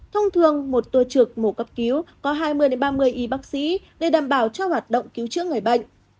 thông thường một tùa trược mổ cấp cứu có hai mươi ba mươi y bác sĩ để đảm bảo cho hoạt động cứu trưởng người bệnh